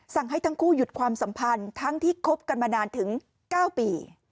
ให้ทั้งคู่หยุดความสัมพันธ์ทั้งที่คบกันมานานถึง๙ปี